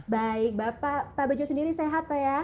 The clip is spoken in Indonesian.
baik bapak pak bejo sendiri sehat pak ya